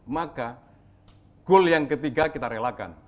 maka goal yang ketiga kita relakan